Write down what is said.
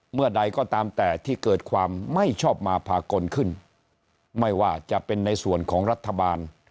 เมื่อใดก็ตามแต่ที่เกิดความไม่ชอบมาพากลขึ้นไม่ว่าจะเป็นในส่วนของรัฐบาล